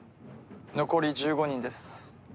残り１５人です。